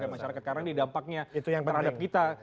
masyarakat sekarang ini dampaknya terhadap kita